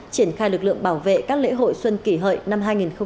triển khai lực lượng bảo vệ các lễ hội xuân kỷ hợi năm hai nghìn một mươi chín